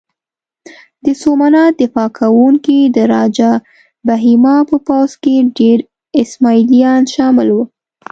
د سومنات دفاع کوونکي د راجه بهیما په پوځ کې ډېر اسماعیلیان شامل وو.